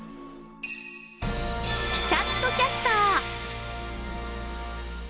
ピタッ！とキャスター。